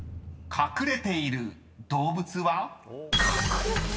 隠れている動物？